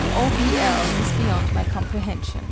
O. V. L. is beyond my comprehension.